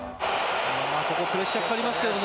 ここプレッシャーかかりますけどね